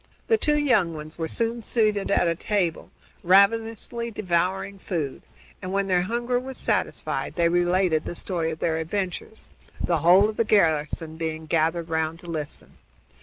The two young ones were soon seated at a table, ravenously devouring food, and, when their hunger was satisfied, they related the story of their adventures, the whole of the garrison being gathered round to listen.